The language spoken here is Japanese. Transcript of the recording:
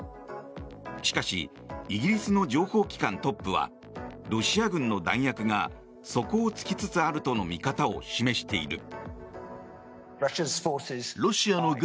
しかしイギリスの情報機関トップはロシア軍の弾薬が底をつきつつあるとの見方を示している。